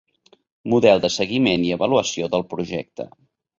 Model de seguiment i avaluació del projecte.